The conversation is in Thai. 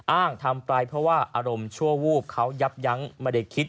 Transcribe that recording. อ้างทำไปเพราะว่าอารมณ์ชั่ววูบเขายับยั้งไม่ได้คิด